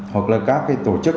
hoặc là các tổ chức